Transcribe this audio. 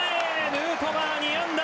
ヌートバー、２安打！